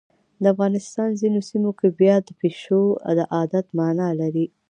د افغانستان ځینو سیمو کې بیا د پیشو د عادت مانا لري.